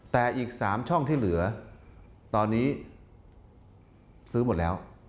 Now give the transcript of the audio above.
แต่อีก๓ช่องที่เหลือตอนนี้ซื้อหมดแล้ว